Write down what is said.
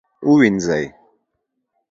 ووینځئ